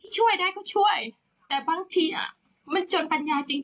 ช่วยได้ก็ช่วยแต่บางทีอ่ะมันจนปัญญาจริง